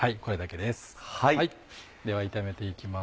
では炒めていきます。